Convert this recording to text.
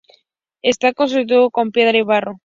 Está construido en piedra y barro.